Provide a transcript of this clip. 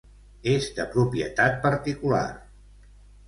És de propietat particular.